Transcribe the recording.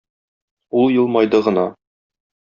Ул елмайды гына.